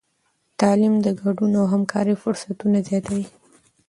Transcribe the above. تعلیم د ګډون او همکارۍ فرصتونه زیاتوي.